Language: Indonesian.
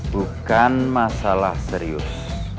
bukan masalah serius